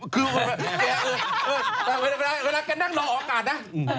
เวลาแกนั่งรอโอกาสนะ